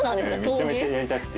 めちゃめちゃやりたくて。